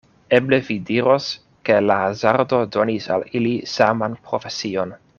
Eble vi diros, ke la hazardo donis al ili saman profesion.